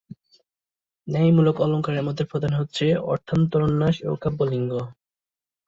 ন্যায়মূলক অলঙ্কারের মধ্যে প্রধান হচ্ছে অর্থান্তরন্যাস ও কাব্যলিঙ্গ।